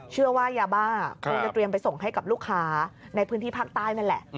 เชื่อว่ายาบ้าคงจะเตรียมไปส่งให้กับลูกค้าในพื้นที่ภาคใต้นั่นแหละ